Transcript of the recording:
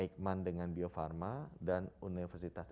hikman dengan bio farma dan universitas